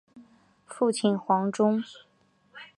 父亲黄中。